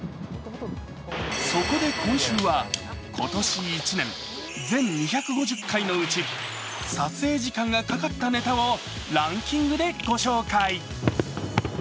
そこで今週は今年１年全２５０回のうち撮影時間がかかったネタをランキングでご紹介。